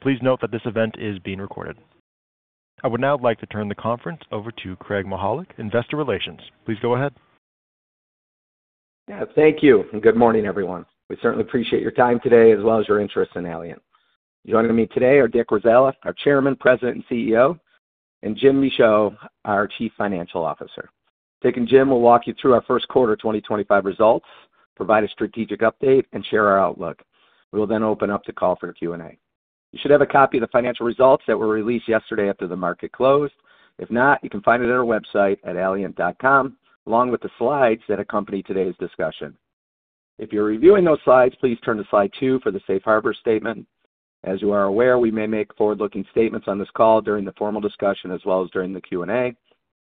Please note that this event is being recorded. I would now like to turn the conference over to Craig Mychajluk, Investor Relations. Please go ahead. Thank you. Good morning, everyone. We certainly appreciate your time today, as well as your interest in Allient. Joining me today are Dick Warzala, our Chairman, President, and CEO, and Jim Michaud, our Chief Financial Officer. Dick and Jim will walk you through our first quarter 2025 results, provide a strategic update, and share our outlook. We will then open up the call for a Q&A. You should have a copy of the financial results that were released yesterday after the market closed. If not, you can find it at our website at Allient.com, along with the slides that accompany today's discussion. If you're reviewing those slides, please turn to slide two for the Safe Harbor statement. As you are aware, we may make forward-looking statements on this call during the formal discussion, as well as during the Q&A.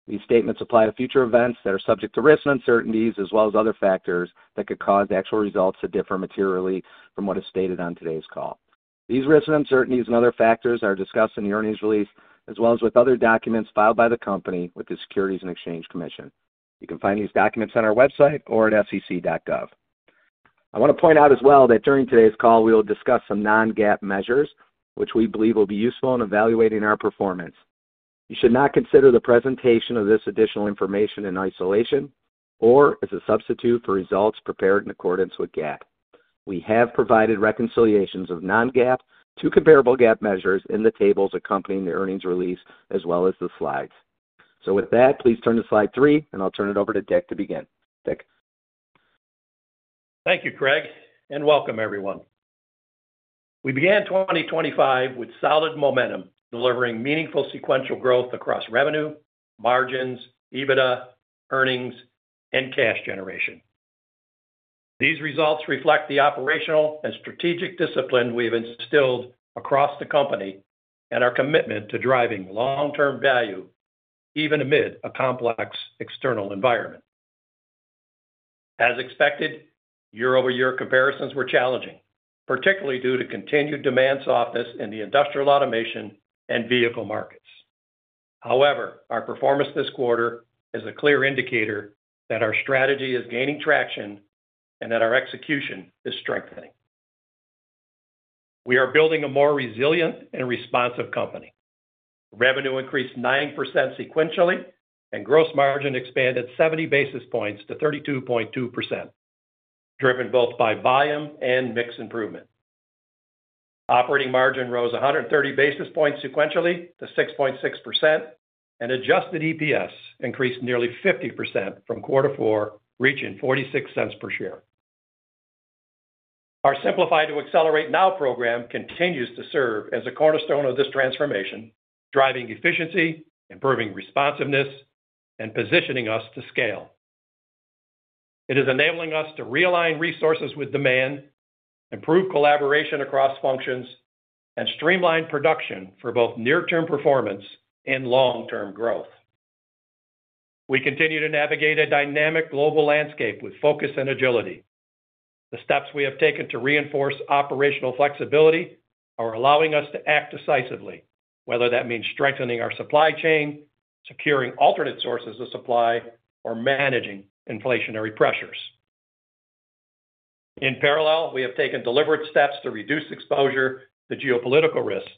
These statements apply to future events that are subject to risks and uncertainties, as well as other factors that could cause actual results to differ materially from what is stated on today's call. These risks and uncertainties and other factors are discussed in the earnings release, as well as with other documents filed by the company with the Securities and Exchange Commission. You can find these documents on our website or at sec.gov. I want to point out as well that during today's call, we will discuss some non-GAAP measures, which we believe will be useful in evaluating our performance. You should not consider the presentation of this additional information in isolation or as a substitute for results prepared in accordance with GAAP. We have provided reconciliations of non-GAAP to comparable GAAP measures in the tables accompanying the earnings release, as well as the slides. With that, please turn to slide three, and I'll turn it over to Dick to begin. Dick. Thank you, Craig, and welcome, everyone. We began 2025 with solid momentum, delivering meaningful sequential growth across revenue, margins, EBITDA, earnings, and cash generation. These results reflect the operational and strategic discipline we have instilled across the company and our commitment to driving long-term value, even amid a complex external environment. As expected, year-over-year comparisons were challenging, particularly due to continued demand softness in the industrial automation and vehicle markets. However, our performance this quarter is a clear indicator that our strategy is gaining traction and that our execution is strengthening. We are building a more resilient and responsive company. Revenue increased 9% sequentially, and gross margin expanded 70 basis points to 32.2%, driven both by volume and mix improvement. Operating margin rose 130 basis points sequentially to 6.6%, and adjusted EPS increased nearly 50% from quarter four, reaching $0.46 per share. Our Simplify to Accelerate Now program continues to serve as a cornerstone of this transformation, driving efficiency, improving responsiveness, and positioning us to scale. It is enabling us to realign resources with demand, improve collaboration across functions, and streamline production for both near-term performance and long-term growth. We continue to navigate a dynamic global landscape with focus and agility. The steps we have taken to reinforce operational flexibility are allowing us to act decisively, whether that means strengthening our supply chain, securing alternate sources of supply, or managing inflationary pressures. In parallel, we have taken deliberate steps to reduce exposure to geopolitical risks,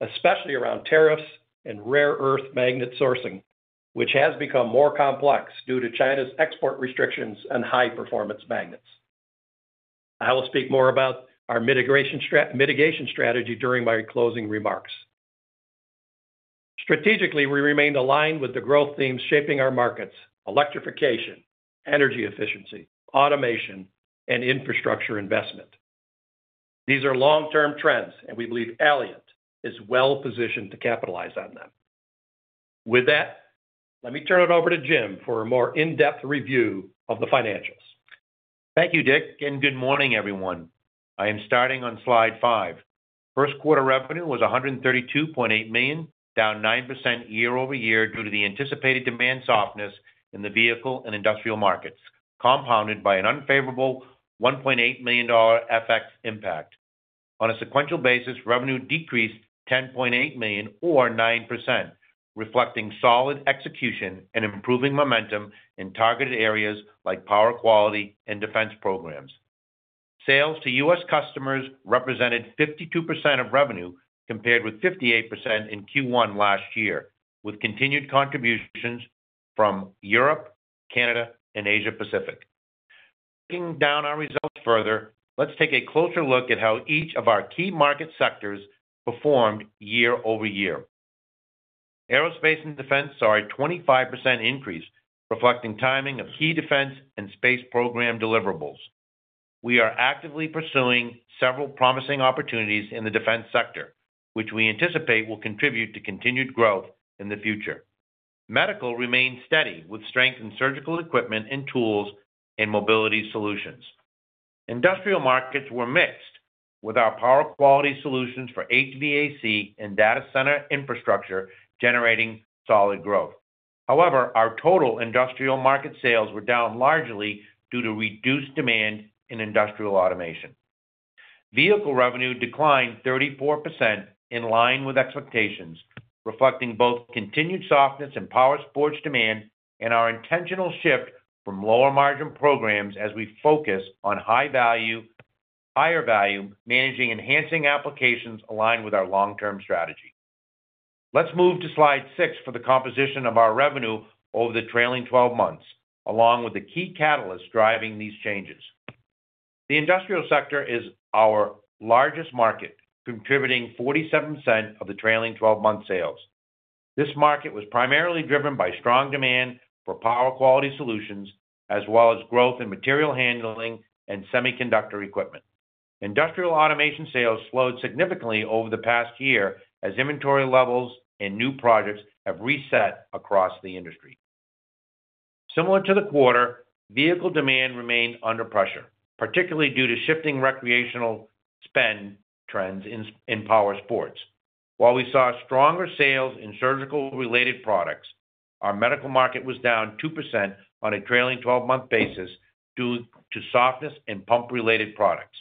especially around tariffs and rare earth magnet sourcing, which has become more complex due to China's export restrictions and high-performance magnets. I will speak more about our mitigation strategy during my closing remarks. Strategically, we remained aligned with the growth themes shaping our markets: electrification, energy efficiency, automation, and infrastructure investment. These are long-term trends, and we believe Allient is well-positioned to capitalize on them. With that, let me turn it over to Jim for a more in-depth review of the financials. Thank you, Dick, and good morning, everyone. I am starting on slide five. First quarter revenue was $132.8 million, down 9% year-over-year due to the anticipated demand softness in the vehicle and industrial markets, compounded by an unfavorable $1.8 million FX impact. On a sequential basis, revenue decreased $10.8 million, or 9%, reflecting solid execution and improving momentum in targeted areas like power quality and defense programs. Sales to U.S. customers represented 52% of revenue, compared with 58% in Q1 last year, with continued contributions from Europe, Canada, and Asia-Pacific. Breaking down our results further, let's take a closer look at how each of our key market sectors performed year-over-year. Aerospace and defense saw a 25% increase, reflecting timing of key defense and space program deliverables. We are actively pursuing several promising opportunities in the defense sector, which we anticipate will contribute to continued growth in the future. Medical remained steady, with strength in surgical equipment and tools and mobility solutions. Industrial markets were mixed, with our power quality solutions for HVAC and data center infrastructure generating solid growth. However, our total industrial market sales were down largely due to reduced demand in industrial automation. Vehicle revenue declined 34%, in line with expectations, reflecting both continued softness in power sports demand and our intentional shift from lower margin programs as we focus on higher value margin enhancing applications aligned with our long-term strategy. Let's move to slide six for the composition of our revenue over the trailing 12 months, along with the key catalysts driving these changes. The industrial sector is our largest market, contributing 47% of the trailing 12-month sales. This market was primarily driven by strong demand for power quality solutions, as well as growth in material handling and semiconductor equipment. Industrial automation sales slowed significantly over the past year as inventory levels and new projects have reset across the industry. Similar to the quarter, vehicle demand remained under pressure, particularly due to shifting recreational spend trends in power sports. While we saw stronger sales in surgical-related products, our medical market was down 2% on a trailing 12-month basis due to softness in pump-related products.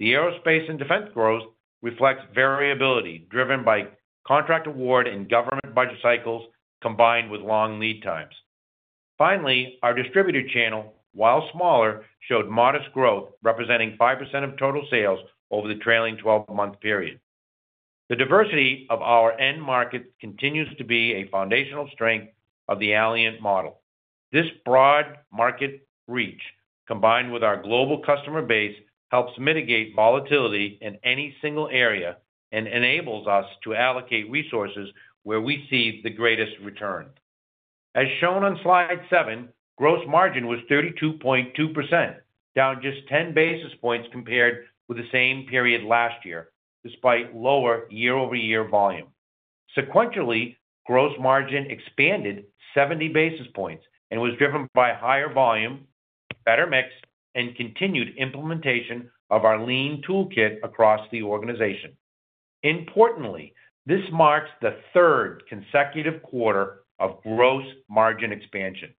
The aerospace and defense growth reflects variability driven by contract award and government budget cycles, combined with long lead times. Finally, our distributor channel, while smaller, showed modest growth, representing 5% of total sales over the trailing 12-month period. The diversity of our end markets continues to be a foundational strength of the Allient model. This broad market reach, combined with our global customer base, helps mitigate volatility in any single area and enables us to allocate resources where we see the greatest return. As shown on slide seven, gross margin was 32.2%, down just 10 basis points compared with the same period last year, despite lower year-over-year volume. Sequentially, gross margin expanded 70 basis points and was driven by higher volume, better mix, and continued implementation of our lean toolkit across the organization. Importantly, this marks the third consecutive quarter of gross margin expansion,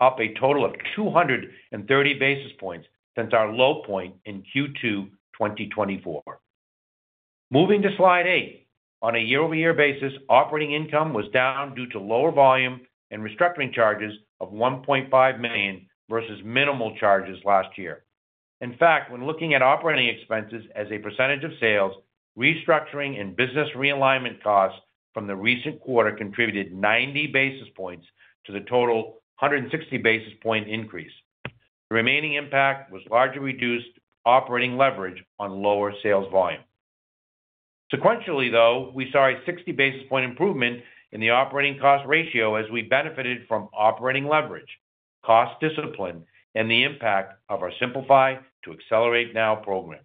up a total of 230 basis points since our low point in Q2 2024. Moving to slide eight, on a year-over-year basis, operating income was down due to lower volume and restructuring charges of $1.5 million versus minimal charges last year. In fact, when looking at operating expenses as a percentage of sales, restructuring and business realignment costs from the recent quarter contributed 90 basis points to the total 160 basis point increase. The remaining impact was largely reduced operating leverage on lower sales volume. Sequentially, though, we saw a 60 basis point improvement in the operating cost ratio as we benefited from operating leverage, cost discipline, and the impact of our Simplify to Accelerate Now program.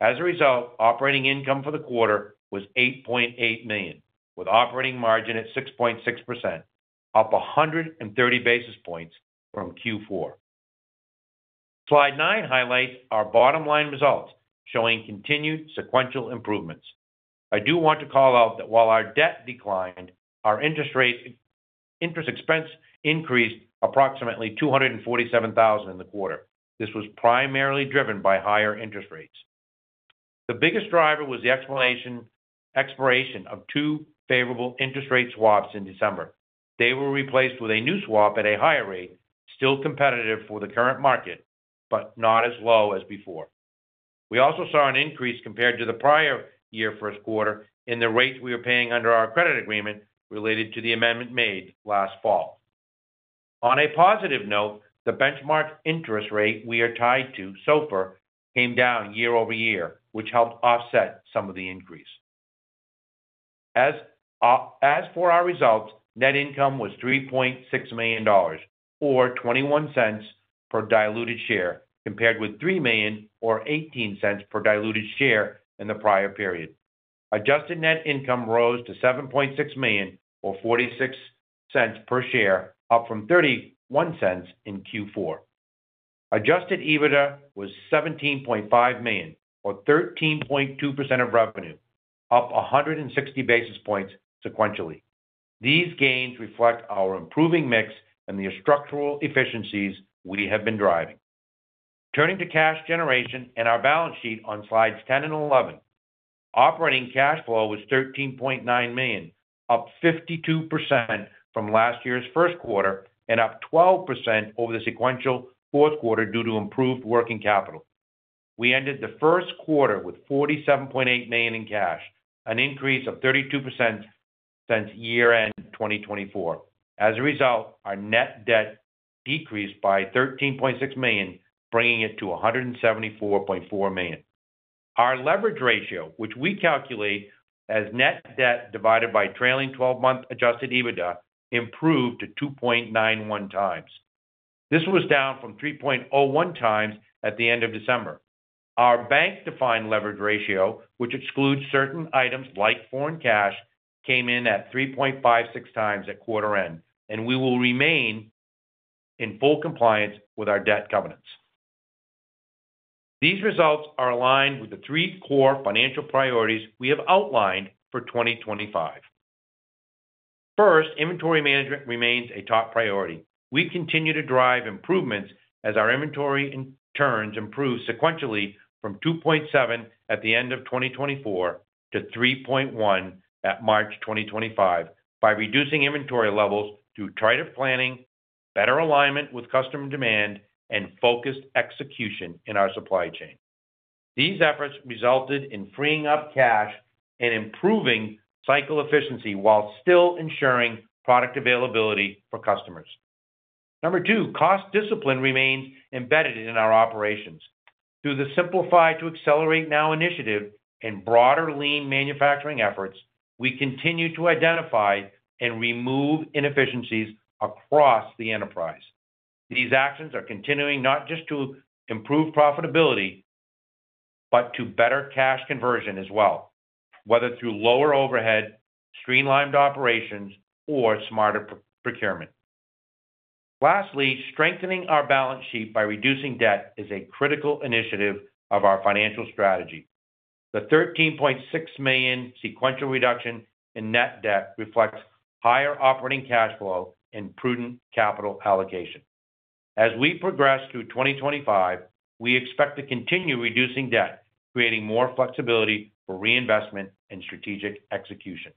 As a result, operating income for the quarter was $8.8 million, with operating margin at 6.6%, up 130 basis points from Q4. Slide nine highlights our bottom-line results, showing continued sequential improvements. I do want to call out that while our debt declined, our interest expense increased approximately $247,000 in the quarter. This was primarily driven by higher interest rates. The biggest driver was the expiration of two favorable interest rate swaps in December. They were replaced with a new swap at a higher rate, still competitive for the current market, but not as low as before. We also saw an increase compared to the prior year first quarter in the rates we were paying under our credit agreement related to the amendment made last fall. On a positive note, the benchmark interest rate we are tied to, SOFR, came down year-over-year, which helped offset some of the increase. As for our results, net income was $3.6 million, or $0.21 per diluted share, compared with $3 million, or $0.18 per diluted share in the prior period. Adjusted net income rose to $7.6 million, or $0.46 per share, up from $0.31 in Q4. Adjusted EBITDA was $17.5 million, or 13.2% of revenue, up 160 basis points sequentially. These gains reflect our improving mix and the structural efficiencies we have been driving. Turning to cash generation and our balance sheet on slides 10 and 11, operating cash flow was $13.9 million, up 52% from last year's first quarter and up 12% over the sequential fourth quarter due to improved working capital. We ended the first quarter with $47.8 million in cash, an increase of 32% since year-end 2024. As a result, our net debt decreased by $13.6 million, bringing it to $174.4 million. Our leverage ratio, which we calculate as net debt divided by trailing 12-month adjusted EBITDA, improved to 2.91 times. This was down from 3.01 times at the end of December. Our bank-defined leverage ratio, which excludes certain items like foreign cash, came in at 3.56 times at quarter end, and we will remain in full compliance with our debt covenants. These results are aligned with the three core financial priorities we have outlined for 2025. First, inventory management remains a top priority. We continue to drive improvements as our inventory turns improve sequentially from 2.7 at the end of 2024 to 3.1 at March 2025 by reducing inventory levels through trade-up planning, better alignment with customer demand, and focused execution in our supply chain. These efforts resulted in freeing up cash and improving cycle efficiency while still ensuring product availability for customers. Number two, cost discipline remains embedded in our operations. Through the Simplify to Accelerate Now initiative and broader lean manufacturing efforts, we continue to identify and remove inefficiencies across the enterprise. These actions are continuing not just to improve profitability, but to better cash conversion as well, whether through lower overhead, streamlined operations, or smarter procurement. Lastly, strengthening our balance sheet by reducing debt is a critical initiative of our financial strategy. The $13.6 million sequential reduction in net debt reflects higher operating cash flow and prudent capital allocation. As we progress through 2025, we expect to continue reducing debt, creating more flexibility for reinvestment and strategic execution.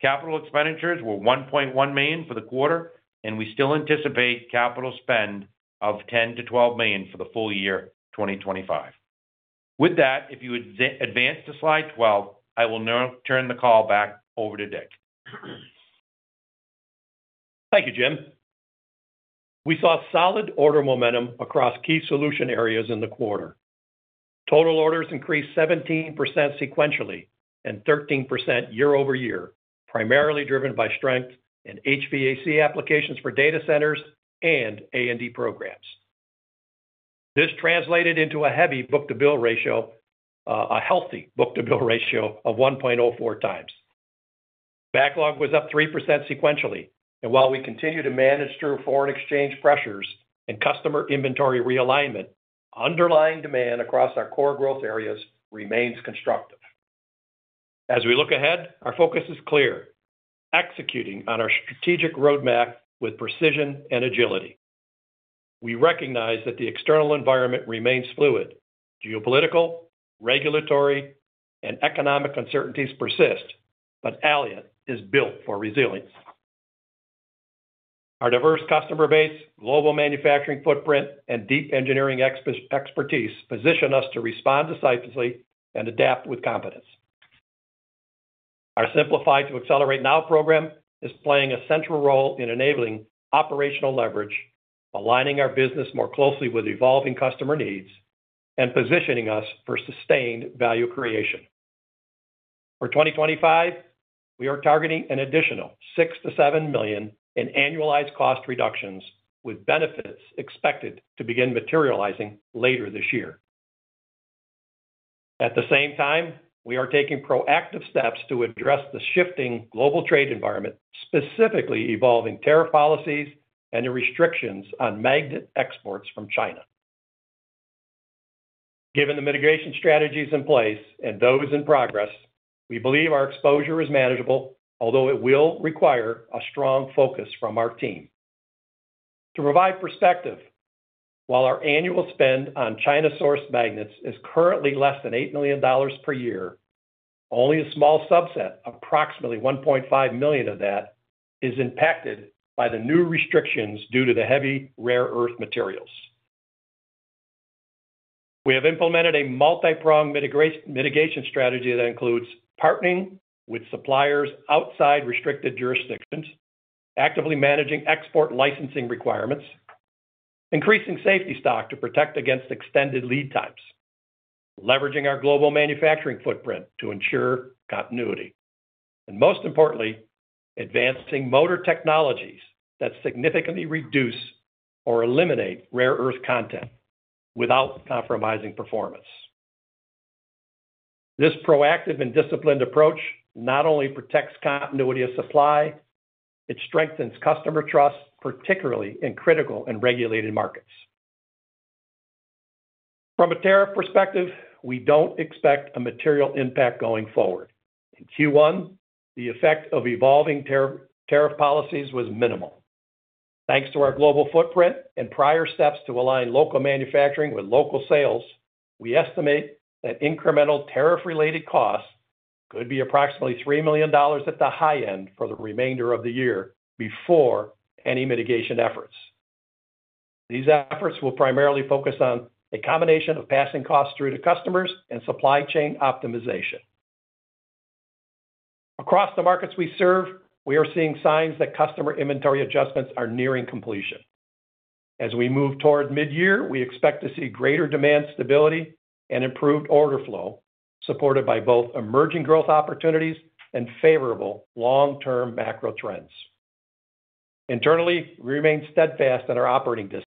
Capital expenditures were $1.1 million for the quarter, and we still anticipate capital spend of $10-$12 million for the full year 2025. With that, if you would advance to slide 12, I will now turn the call back over to Dick. Thank you, Jim. We saw solid order momentum across key solution areas in the quarter. Total orders increased 17% sequentially and 13% year-over-year, primarily driven by strength in HVAC applications for data centers and A&D programs. This translated into a healthy book-to-bill ratio of 1.04 times. Backlog was up 3% sequentially, and while we continue to manage through foreign exchange pressures and customer inventory realignment, underlying demand across our core growth areas remains constructive. As we look ahead, our focus is clear: executing on our strategic roadmap with precision and agility. We recognize that the external environment remains fluid. Geopolitical, regulatory, and economic uncertainties persist, but Allient is built for resilience. Our diverse customer base, global manufacturing footprint, and deep engineering expertise position us to respond decisively and adapt with confidence. Our Simplify to Accelerate Now program is playing a central role in enabling operational leverage, aligning our business more closely with evolving customer needs, and positioning us for sustained value creation. For 2025, we are targeting an additional $6 million-$7 million in annualized cost reductions, with benefits expected to begin materializing later this year. At the same time, we are taking proactive steps to address the shifting global trade environment, specifically evolving tariff policies and the restrictions on magnet exports from China. Given the mitigation strategies in place and those in progress, we believe our exposure is manageable, although it will require a strong focus from our team. To provide perspective, while our annual spend on China-sourced magnets is currently less than $8 million per year, only a small subset, approximately $1.5 million of that, is impacted by the new restrictions due to the heavy rare earth materials. We have implemented a multi-pron mitigation strategy that includes partnering with suppliers outside restricted jurisdictions, actively managing export licensing requirements, increasing safety stock to protect against extended lead times, leveraging our global manufacturing footprint to ensure continuity, and most importantly, advancing motor technologies that significantly reduce or eliminate rare earth content without compromising performance. This proactive and disciplined approach not only protects continuity of supply, it strengthens customer trust, particularly in critical and regulated markets. From a tariff perspective, we do not expect a material impact going forward. In Q1, the effect of evolving tariff policies was minimal. Thanks to our global footprint and prior steps to align local manufacturing with local sales, we estimate that incremental tariff-related costs could be approximately $3 million at the high end for the remainder of the year before any mitigation efforts. These efforts will primarily focus on a combination of passing costs through to customers and supply chain optimization. Across the markets we serve, we are seeing signs that customer inventory adjustments are nearing completion. As we move toward mid-year, we expect to see greater demand stability and improved order flow, supported by both emerging growth opportunities and favorable long-term macro trends. Internally, we remain steadfast in our operating discipline,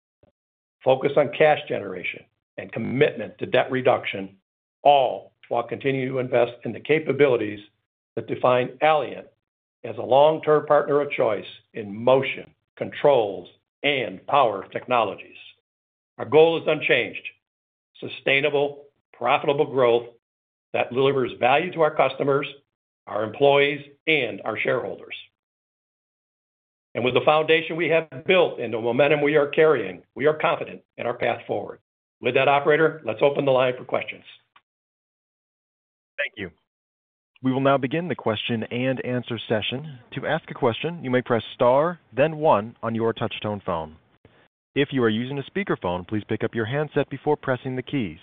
focus on cash generation and commitment to debt reduction, all while continuing to invest in the capabilities that define Allient as a long-term partner of choice in motion, controls, and power technologies. Our goal is unchanged: sustainable, profitable growth that delivers value to our customers, our employees, and our shareholders. With the foundation we have built and the momentum we are carrying, we are confident in our path forward. With that, Operator, let's open the line for questions. Thank you. We will now begin the question and answer session. To ask a question, you may press star, then one on your touch-tone phone. If you are using a speakerphone, please pick up your handset before pressing the keys.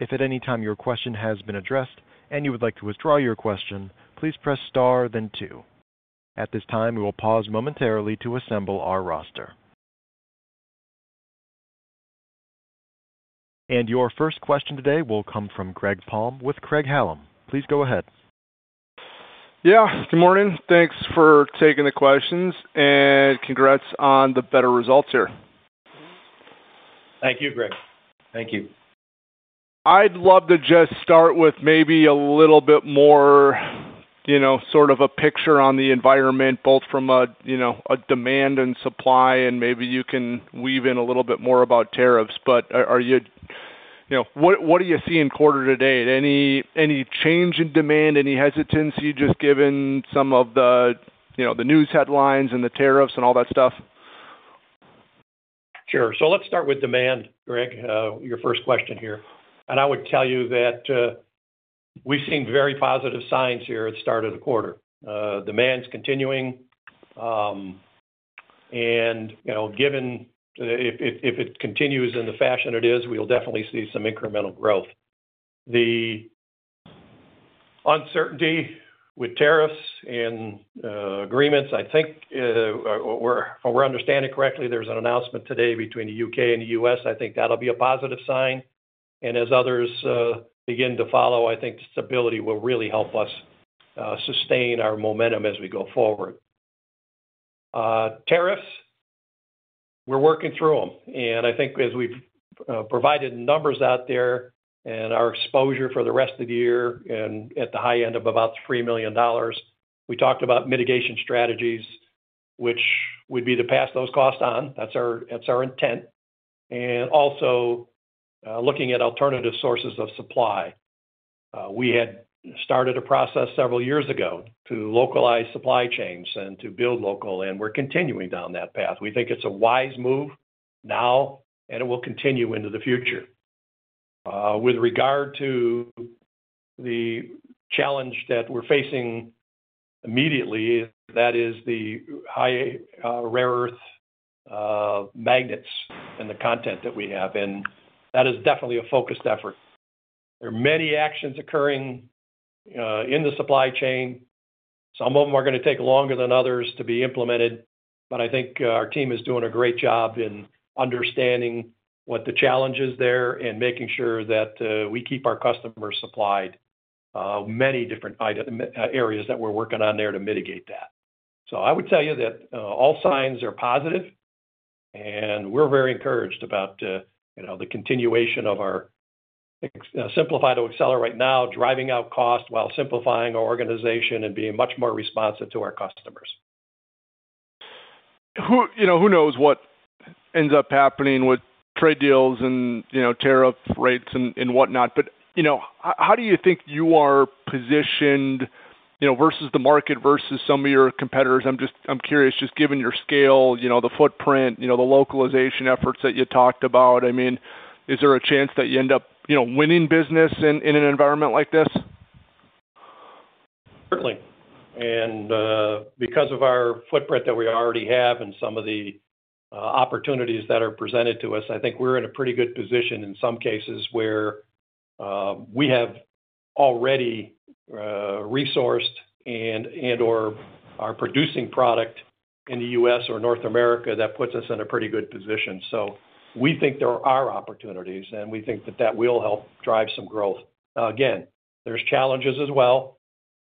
If at any time your question has been addressed and you would like to withdraw your question, please press star, then two. At this time, we will pause momentarily to assemble our roster. Your first question today will come from Greg Palm with Craig-Hallum. Please go ahead. Yeah, good morning. Thanks for taking the questions, and congrats on the better results here. Thank you, Greg. Thank you. I'd love to just start with maybe a little bit more, you know, sort of a picture on the environment, both from a, you know, a demand and supply, and maybe you can weave in a little bit more about tariffs. Are you, you know, what do you see in quarter today? Any change in demand, any hesitancy just given some of the, you know, the news headlines and the tariffs and all that stuff? Sure. Let's start with demand, Greg, your first question here. I would tell you that we've seen very positive signs here at the start of the quarter. Demand's continuing, and, you know, given if it continues in the fashion it is, we'll definitely see some incremental growth. The uncertainty with tariffs and agreements, I think, if we're understanding correctly, there's an announcement today between the U.K. and the U.S. I think that'll be a positive sign. As others begin to follow, I think stability will really help us sustain our momentum as we go forward. Tariffs, we're working through them. I think as we've provided numbers out there and our exposure for the rest of the year and at the high end of about $3 million, we talked about mitigation strategies, which would be to pass those costs on. That's our intent. Also looking at alternative sources of supply. We had started a process several years ago to localize supply chains and to build local, and we're continuing down that path. We think it's a wise move now, and it will continue into the future. With regard to the challenge that we're facing immediately, that is the high rare earth magnets and the content that we have. That is definitely a focused effort. There are many actions occurring in the supply chain. Some of them are going to take longer than others to be implemented, but I think our team is doing a great job in understanding what the challenge is there and making sure that we keep our customers supplied in many different areas that we're working on there to mitigate that. I would tell you that all signs are positive, and we're very encouraged about the continuation of our Simplify to Accelerate Now, driving out cost while simplifying our organization and being much more responsive to our customers. You know, who knows what ends up happening with trade deals and, you know, tariff rates and whatnot. You know, how do you think you are positioned, you know, versus the market, versus some of your competitors? I'm just, I'm curious, just given your scale, you know, the footprint, you know, the localization efforts that you talked about, I mean, is there a chance that you end up, you know, winning business in an environment like this? Certainly. Because of our footprint that we already have and some of the opportunities that are presented to us, I think we're in a pretty good position in some cases where we have already resourced and/or are producing product in the US or North America. That puts us in a pretty good position. We think there are opportunities, and we think that that will help drive some growth. Again, there are challenges as well,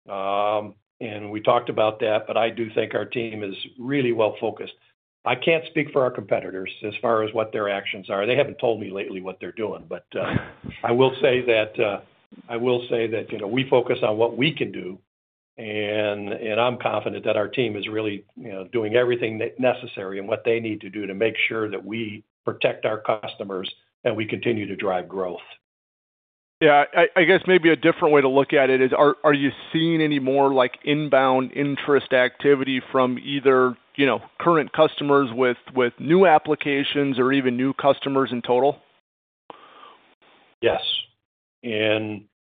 and we talked about that, but I do think our team is really well focused. I can't speak for our competitors as far as what their actions are. They haven't told me lately what they're doing, but I will say that, you know, we focus on what we can do, and I'm confident that our team is really doing everything necessary and what they need to do to make sure that we protect our customers and we continue to drive growth. Yeah, I guess maybe a different way to look at it is, are you seeing any more like inbound interest activity from either, you know, current customers with new applications or even new customers in total? Yes.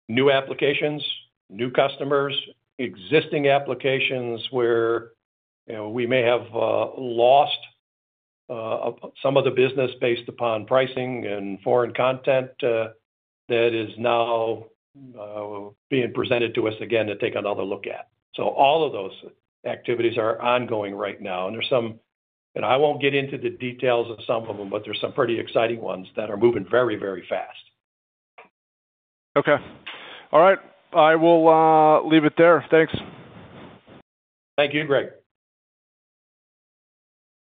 New applications, new customers, existing applications where we may have lost some of the business based upon pricing and foreign content that is now being presented to us again to take another look at. All of those activities are ongoing right now. There are some, and I will not get into the details of some of them, but there are some pretty exciting ones that are moving very, very fast. Okay. All right. I will leave it there. Thanks. Thank you, Greg.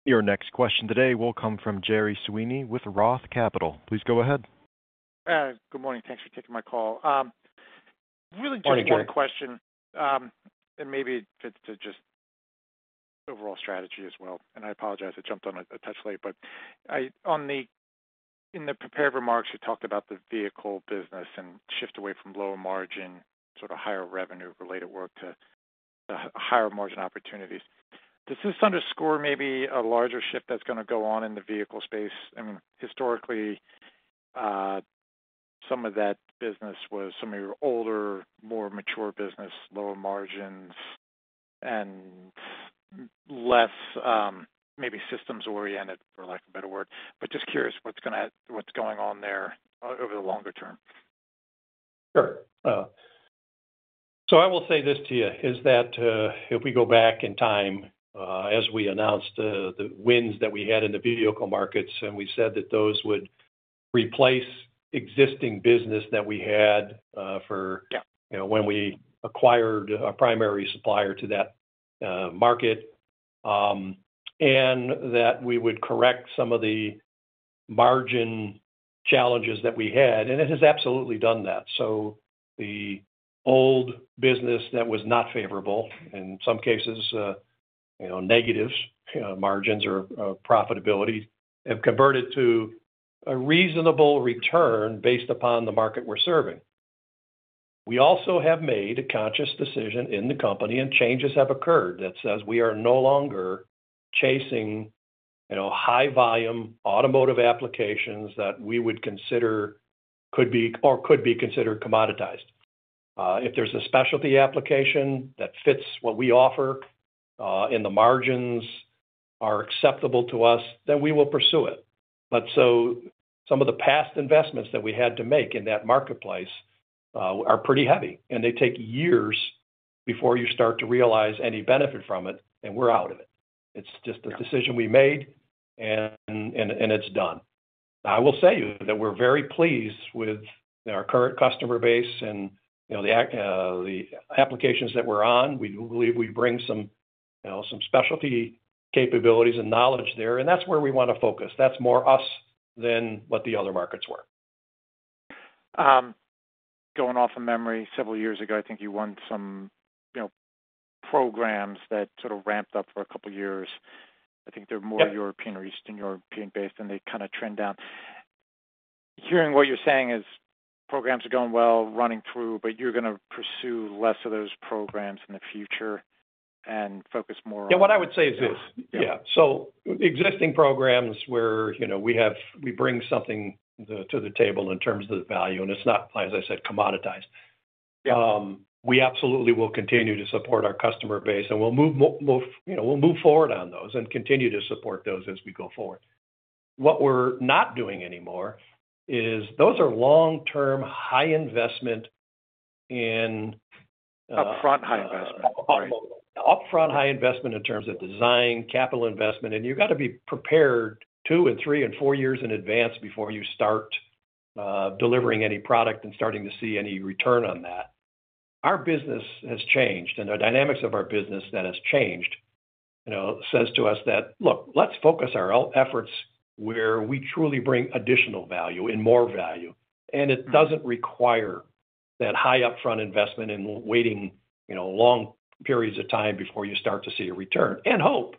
Your next question today will come from Jerry Sweeney with Roth Capital. Please go ahead. Good morning. Thanks for taking my call. Really just one question, and maybe it fits to just overall strategy as well. I apologize, I jumped on a touch late, but in the prepared remarks, you talked about the vehicle business and shift away from low margin, sort of higher revenue-related work to higher margin opportunities. Does this underscore maybe a larger shift that's going to go on in the vehicle space? I mean, historically, some of that business was some of your older, more mature business, lower margins, and less maybe systems-oriented, for lack of a better word. Just curious what's going on there over the longer term. Sure. I will say this to you is that if we go back in time, as we announced the wins that we had in the vehicle markets, and we said that those would replace existing business that we had for when we acquired our primary supplier to that market, and that we would correct some of the margin challenges that we had. It has absolutely done that. The old business that was not favorable, in some cases, negative margins or profitability, have converted to a reasonable return based upon the market we're serving. We also have made a conscious decision in the company, and changes have occurred that says we are no longer chasing high-volume automotive applications that we would consider could be or could be considered commoditized. If there's a specialty application that fits what we offer and the margins are acceptable to us, then we will pursue it. Some of the past investments that we had to make in that marketplace are pretty heavy, and they take years before you start to realize any benefit from it, and we're out of it. It's just a decision we made, and it's done. I will say that we're very pleased with our current customer base and the applications that we're on. We believe we bring some specialty capabilities and knowledge there, and that's where we want to focus. That's more us than what the other markets were. Going off of memory, several years ago, I think you won some programs that sort of ramped up for a couple of years. I think they're more European-based, and they kind of trend down. Hearing what you're saying is programs are going well, running through, but you're going to pursue less of those programs in the future and focus more on. Yeah, what I would say is this. Yeah. So existing programs where we bring something to the table in terms of the value, and it's not, as I said, commoditized. We absolutely will continue to support our customer base, and we'll move forward on those and continue to support those as we go forward. What we're not doing anymore is those are long-term high investment in. Upfront high investment. Upfront high investment in terms of design, capital investment, and you've got to be prepared two and three and four years in advance before you start delivering any product and starting to see any return on that. Our business has changed, and the dynamics of our business that has changed says to us that, "Look, let's focus our efforts where we truly bring additional value and more value." It doesn't require that high upfront investment and waiting long periods of time before you start to see a return and hope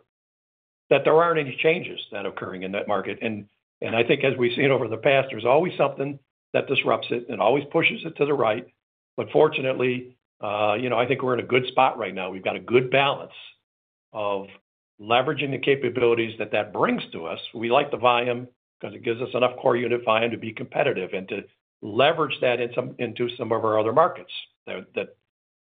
that there aren't any changes that are occurring in that market. I think as we've seen over the past, there's always something that disrupts it and always pushes it to the right. Fortunately, you know, I think we're in a good spot right now. We've got a good balance of leveraging the capabilities that that brings to us. We like the volume because it gives us enough core unit volume to be competitive and to leverage that into some of our other markets that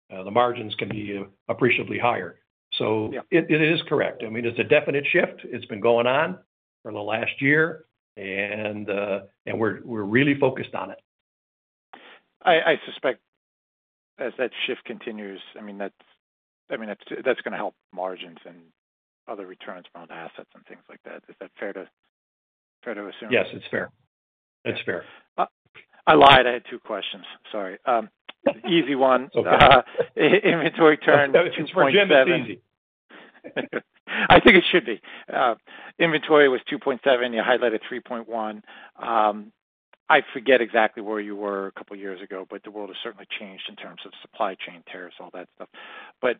the margins can be appreciably higher. It is correct. I mean, it's a definite shift. It's been going on for the last year, and we're really focused on it. I suspect as that shift continues, I mean, that's going to help margins and other returns around assets and things like that. Is that fair to assume? Yes, it's fair. That's fair. I lied. I had two questions. Sorry. Easy one. Inventory turned 2.7. That was 2.7. I think it should be. Inventory was 2.7. You highlighted 3.1. I forget exactly where you were a couple of years ago, but the world has certainly changed in terms of supply chain, tariffs, all that stuff.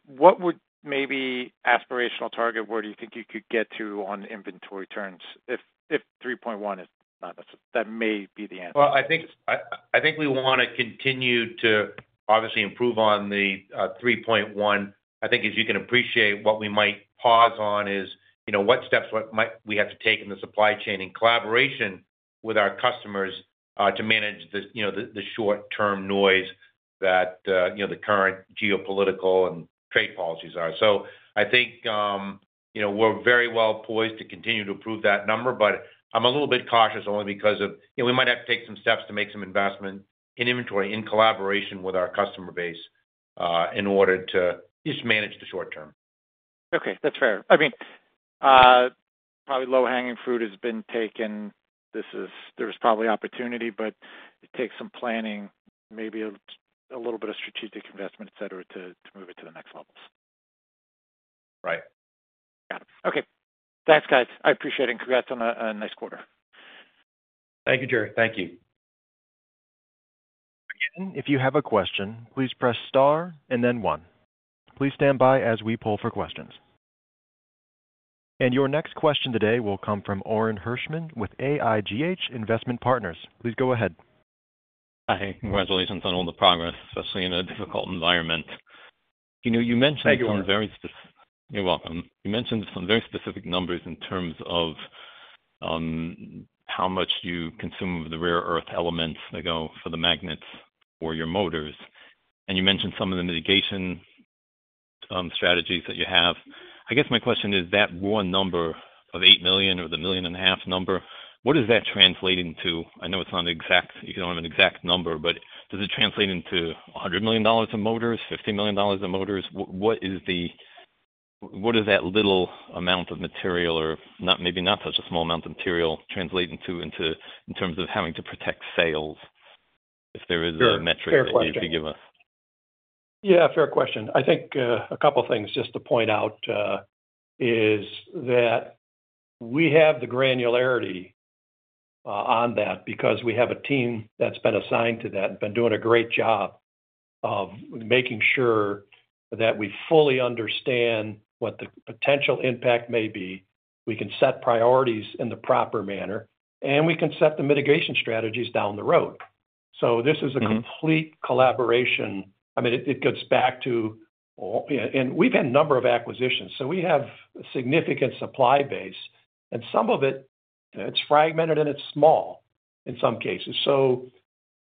What would maybe aspirational target, where do you think you could get to on inventory turns if 3.1 is not necessary? That may be the answer. I think we want to continue to obviously improve on the 3.1. I think as you can appreciate, what we might pause on is, you know, what steps might we have to take in the supply chain in collaboration with our customers to manage the short-term noise that the current geopolitical and trade policies are. I think we are very well poised to continue to improve that number, but I am a little bit cautious only because we might have to take some steps to make some investment in inventory in collaboration with our customer base in order to just manage the short term. Okay. That's fair. I mean, probably low-hanging fruit has been taken. This is, there's probably opportunity, but it takes some planning, maybe a little bit of strategic investment, etc., to move it to the next levels. Right. Got it. Okay. Thanks, guys. I appreciate it, and congrats on a nice quarter. Thank you, Jerry. Thank you. Again, if you have a question, please press star and then one. Please stand by as we pull for questions. Your next question today will come from Orin Hirschman with AIGH Investment Partners. Please go ahead. Hi. Congratulations on all the progress, especially in a difficult environment. You know, you mentioned some very. Thank you. You're welcome. You mentioned some very specific numbers in terms of how much you consume of the rare earth elements that go for the magnets or your motors. And you mentioned some of the mitigation strategies that you have. I guess my question is that one number of $8 million or the $1.5 million number, what is that translating to? I know it's not an exact, you don't have an exact number, but does it translate into $100 million in motors, $50 million in motors? What is the, what is that little amount of material, or maybe not such a small amount of material, translating to in terms of having to protect sales? If there is a metric that you could give us. Yeah, fair question. I think a couple of things just to point out is that we have the granularity on that because we have a team that's been assigned to that and been doing a great job of making sure that we fully understand what the potential impact may be. We can set priorities in the proper manner, and we can set the mitigation strategies down the road. This is a complete collaboration. I mean, it gets back to, and we've had a number of acquisitions. We have a significant supply base, and some of it, it's fragmented and it's small in some cases.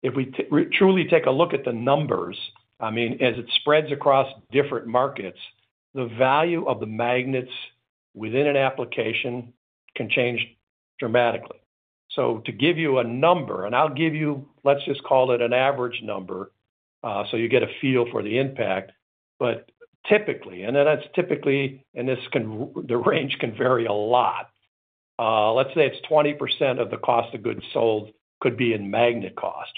If we truly take a look at the numbers, I mean, as it spreads across different markets, the value of the magnets within an application can change dramatically. To give you a number, and I'll give you, let's just call it an average number so you get a feel for the impact, but typically, and that's typically, and this can, the range can vary a lot. Let's say it's 20% of the cost of goods sold could be in magnet cost.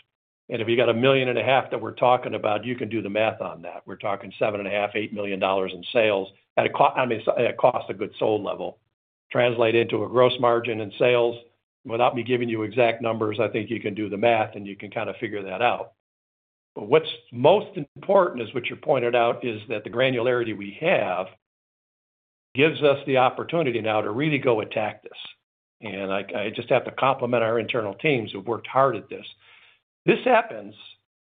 And if you got $1,500,000 that we're talking about, you can do the math on that. We're talking $7,500,000-$8,000,000 in sales at a cost of goods sold level translate into a gross margin in sales. Without me giving you exact numbers, I think you can do the math and you can kind of figure that out. What's most important is what you pointed out is that the granularity we have gives us the opportunity now to really go attack this. I just have to compliment our internal teams who've worked hard at this. This happens,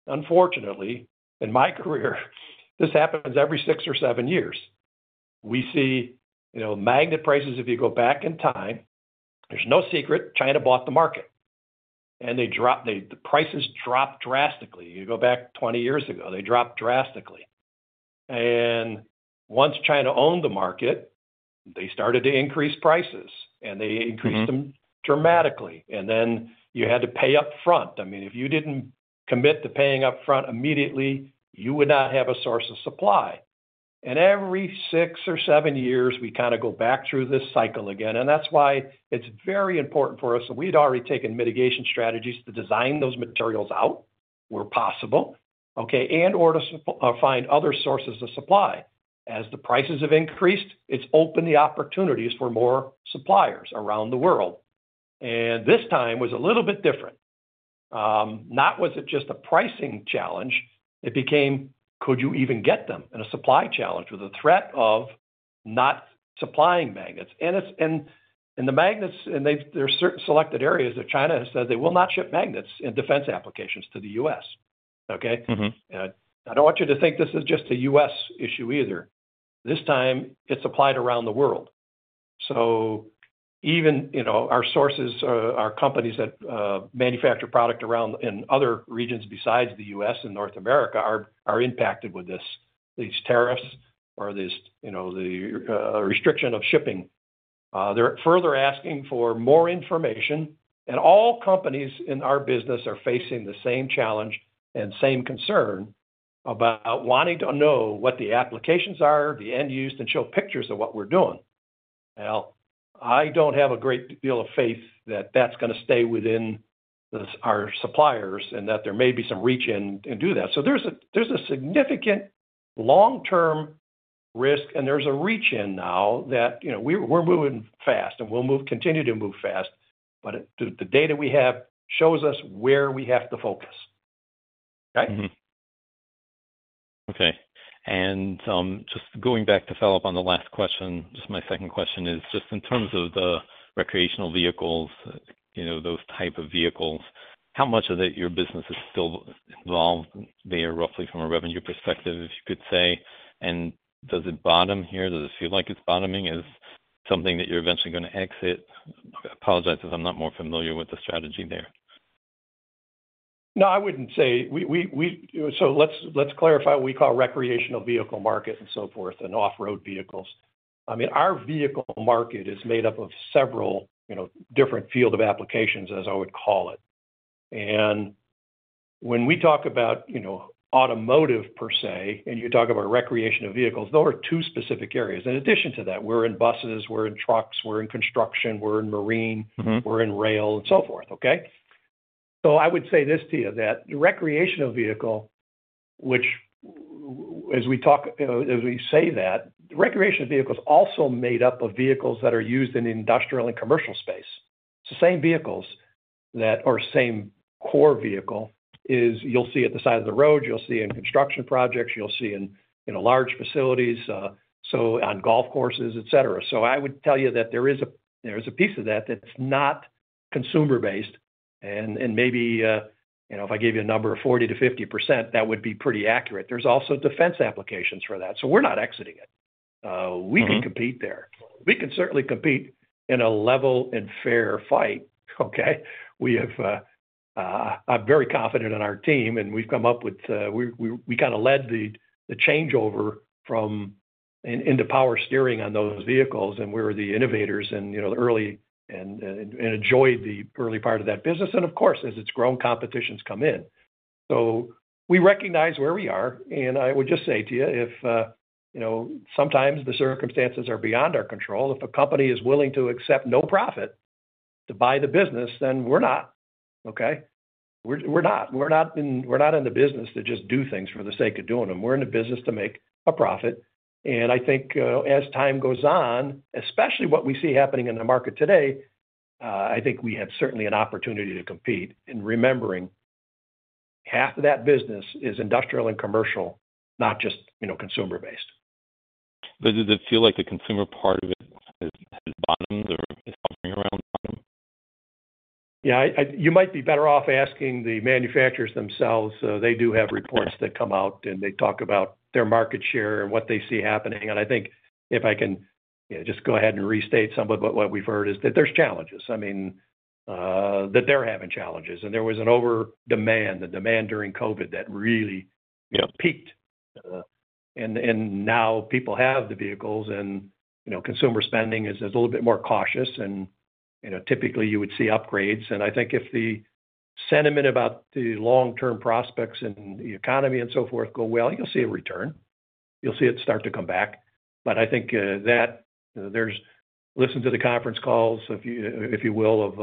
unfortunately, in my career, this happens every six or seven years. We see magnet prices, if you go back in time, there's no secret, China bought the market. The prices dropped drastically. You go back 20 years ago, they dropped drastically. Once China owned the market, they started to increase prices, and they increased them dramatically. You had to pay upfront. I mean, if you didn't commit to paying upfront immediately, you would not have a source of supply. Every six or seven years, we kind of go back through this cycle again. That is why it's very important for us. We had already taken mitigation strategies to design those materials out where possible, and/or to find other sources of supply. As the prices have increased, it's opened the opportunities for more suppliers around the world. This time was a little bit different. Not was it just a pricing challenge, it became, could you even get them? It was a supply challenge with a threat of not supplying magnets. The magnets, and there are certain selected areas that China has said they will not ship magnets in defense applications to the U.S., okay? I don't want you to think this is just a U.S. issue either. This time, it's applied around the world. Even our sources, our companies that manufacture product in other regions besides the U.S. and North America are impacted with these tariffs or the restriction of shipping. They're further asking for more information. All companies in our business are facing the same challenge and same concern about wanting to know what the applications are, the end use, and show pictures of what we're doing. I don't have a great deal of faith that that's going to stay within our suppliers and that there may be some reach-in and do that. There is a significant long-term risk, and there is a reach-in now that we're moving fast, and we'll continue to move fast, but the data we have shows us where we have to focus, okay? Okay. Just going back to follow up on the last question, just my second question is just in terms of the recreational vehicles, those type of vehicles, how much of that your business is still involved there roughly from a revenue perspective, if you could say? Does it bottom here? Does it feel like it's bottoming? Is it something that you're eventually going to exit? Apologize if I'm not more familiar with the strategy there. No, I would not say. So let's clarify what we call recreational vehicle market and so forth and off-road vehicles. I mean, our vehicle market is made up of several different fields of applications, as I would call it. And when we talk about automotive per see, and you talk about recreational vehicles, those are two specific areas. In addition to that, we are in buses, we are in trucks, we are in construction, we are in marine, we are in rail, and so forth, okay? I would say this to you, that the recreational vehicle, which as we say that, recreational vehicles are also made up of vehicles that are used in the industrial and commercial space. It is the same vehicles that are same core vehicle as you will see at the side of the road, you will see in construction projects, you will see in large facilities, on golf courses, etc. I would tell you that there is a piece of that that's not consumer-based. Maybe if I gave you a number of 40-50%, that would be pretty accurate. There's also defense applications for that. We're not exiting it. We can compete there. We can certainly compete in a level and fair fight, okay? We are very confident in our team, and we've come up with, we kind of led the changeover into power steering on those vehicles, and we were the innovators and enjoyed the early part of that business. Of course, as it's grown, competition has come in. We recognize where we are, and I would just say to you, sometimes the circumstances are beyond our control. If a company is willing to accept no profit to buy the business, then we're not, okay? We're not in the business to just do things for the sake of doing them. We're in the business to make a profit. I think as time goes on, especially what we see happening in the market today, I think we have certainly an opportunity to compete in remembering half of that business is industrial and commercial, not just consumer-based. Does it feel like the consumer part of it has bottomed or is hovering around bottom? Yeah, you might be better off asking the manufacturers themselves. They do have reports that come out, and they talk about their market share and what they see happening. I think if I can just go ahead and restate some of what we've heard is that there's challenges. I mean, that they're having challenges. There was an over-demand, the demand during COVID that really peaked. Now people have the vehicles, and consumer spending is a little bit more cautious. Typically, you would see upgrades. I think if the sentiment about the long-term prospects and the economy and so forth go well, you'll see a return. You'll see it start to come back. I think that there's listen to the conference calls, if you will, of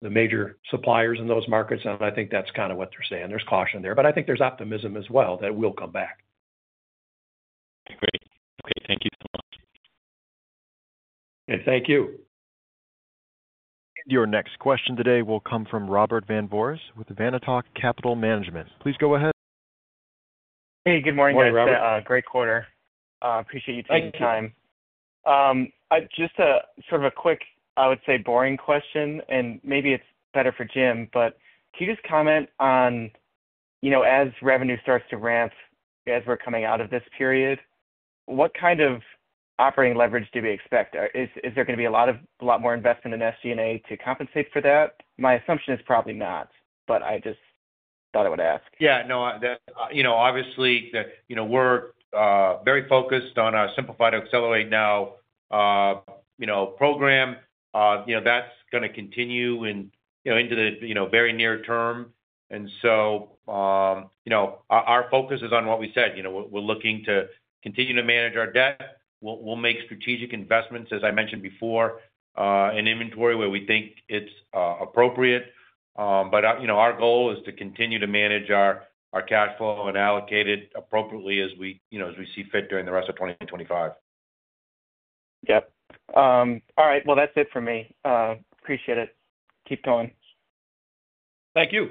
the major suppliers in those markets. I think that's kind of what they're saying. There's caution there. I think there's optimism as well that it will come back. Okay. Great. Okay. Thank you so much. Okay. Thank you. Your next question today will come from Robert Van Voorhis with Vanatoc Capital Management. Please go ahead. Hey, good morning, guys. Morning, Robert. Great quarter. Appreciate you taking the time. Thank you. Just sort of a quick, I would say boring question, and maybe it's better for Jim, but can you just comment on, as revenue starts to ramp, as we're coming out of this period, what kind of operating leverage do we expect? Is there going to be a lot more investment in SG&A to compensate for that? My assumption is probably not, but I just thought I would ask. Yeah. No, obviously, we're very focused on our Simplify to Accelerate Now program. That's going to continue into the very near term. Our focus is on what we said. We're looking to continue to manage our debt. We'll make strategic investments, as I mentioned before, in inventory where we think it's appropriate. Our goal is to continue to manage our cash flow and allocate it appropriately as we see fit during the rest of 2025. Yep. All right. That's it for me. Appreciate it. Keep going. Thank you.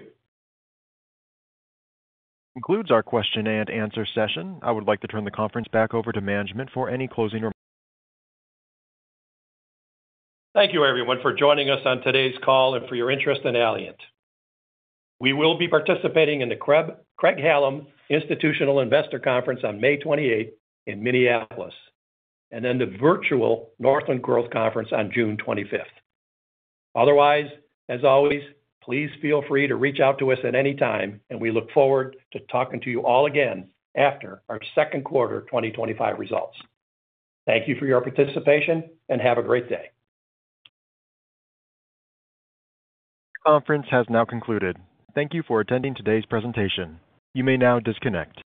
Concludes our question and answer session. I would like to turn the conference back over to management for any closing remarks. Thank you, everyone, for joining us on today's call and for your interest in Allient. We will be participating in the Craig-Hallum Institutional Investor Conference on May 28 in Minneapolis, and then the virtual Northland Growth Conference on June 25. Otherwise, as always, please feel free to reach out to us at any time, and we look forward to talking to you all again after our second quarter 2025 results. Thank you for your participation, and have a great day. The conference has now concluded. Thank you for attending today's presentation. You may now disconnect.